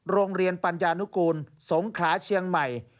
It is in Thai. โรงเรียนปัญญานุกูลสงขลาเชียงใหม่